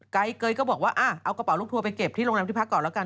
เกยก็บอกว่าเอากระเป๋าลูกทัวร์ไปเก็บที่โรงแรมที่พักก่อนแล้วกัน